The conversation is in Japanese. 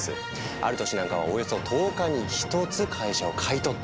ある年なんかはおよそ１０日に１つ会社を買い取っているのよ！